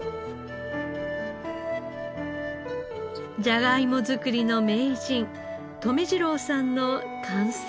じゃがいも作りの名人留次郎さんの感想は？